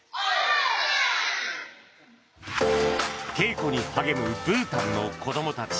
稽古に励むブータンの子どもたち。